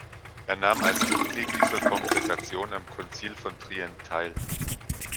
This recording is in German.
Er nahm als Mitglied dieser Kongregation am Konzil von Trient teil.